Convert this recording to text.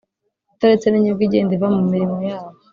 utaretse n’inyungu igenda iva mu mirimo yabo